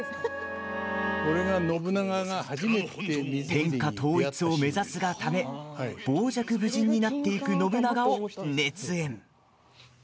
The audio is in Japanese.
天下統一を目指すがため傍若無人になっていく信長を熱演。